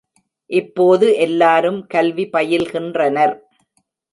இப்போது எல்லாரும் கல்வி பயில்கின்றனர்.